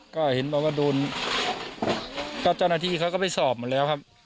ก็เห็นบอกว่าโดนก็เจ้าหน้าที่เขาก็ไปสอบหมดแล้วครับ